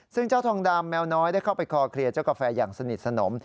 ซึ่งเจ้าทองดำแมวน้อยได้เข้าไปคอเคลียร์เจ้ากาแฟอย่างสนิทสนม